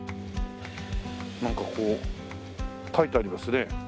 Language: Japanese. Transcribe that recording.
なんかここ書いてありますね。